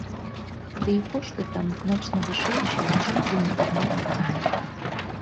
Ды і кошты там значна вышэйшыя, чым у інтэрнэт-крамах.